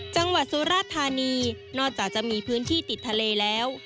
สุราธานีนอกจากจะมีพื้นที่ติดทะเลแล้ว